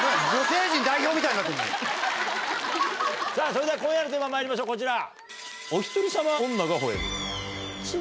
それでは今夜のテーマまいりましょうこちら！